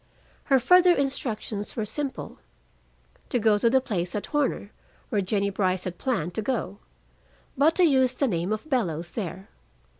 Her further instructions were simple: to go to the place at Horner where Jennie Brice had planned to go, but to use the name of "Bellows" there.